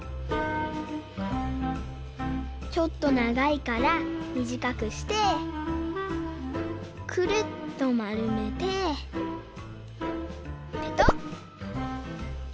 ちょっとながいからみじかくしてくるっとまるめてペトッ！